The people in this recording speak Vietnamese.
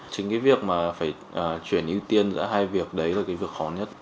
chính cái việc mà phải chuyển ưu tiên giữa hai việc đấy là cái việc khó nhất